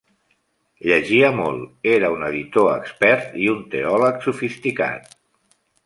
Llegia molt, era un editor expert i un teòleg sofisticat.